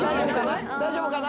大丈夫かな？